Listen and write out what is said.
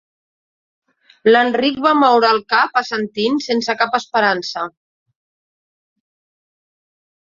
L'Enric va moure el cap assentint sense cap esperança.